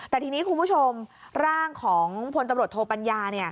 แต่ทีนี้คุณผู้ชมร่างของพลตำรวจโทปัญญา